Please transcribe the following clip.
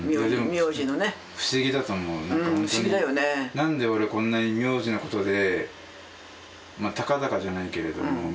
何で俺こんなに名字のことでまあたかだかじゃないけれども。